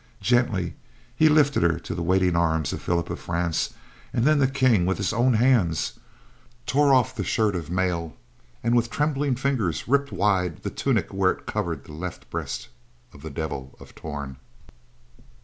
Gently, he lifted her to the waiting arms of Philip of France, and then the King, with his own hands, tore off the shirt of mail, and with trembling fingers ripped wide the tunic where it covered the left breast of the Devil of Torn.